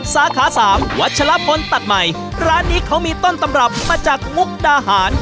สาขาสามวัชลพลตัดใหม่ร้านนี้เขามีต้นตำรับมาจากมุกดาหาร